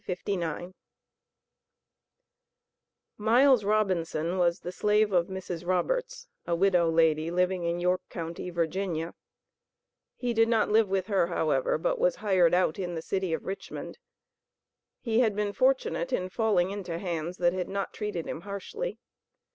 Miles Robinson was the slave of Mrs. Roberts, a widow lady living in York County, Virginia. He did not live with her, however, but was hired out in the city of Richmond. He had been fortunate in falling into hands that had not treated him harshly.